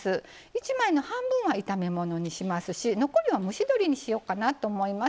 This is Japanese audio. １枚の半分は炒め物にしますし残りは、蒸し鶏にしようかなと思います。